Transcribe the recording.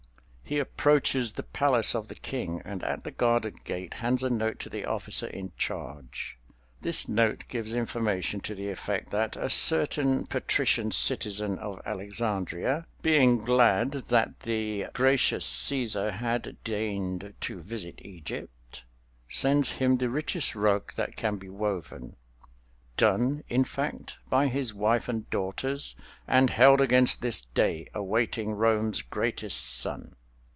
He approaches the palace of the King, and at the guarded gate hands a note to the officer in charge. This note gives information to the effect that a certain patrician citizen of Alexandria, being glad that the gracious Cæsar had deigned to visit Egypt, sends him the richest rug that can be woven—done, in fact, by his wife and daughters and held against this day, awaiting Rome's greatest son.